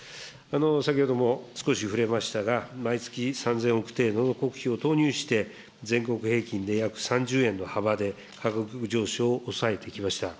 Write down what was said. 先ほども少し触れましたが、毎月３０００億程度の国費を投入して、全国平均で約３０円の幅で、価格上昇を抑えてきました。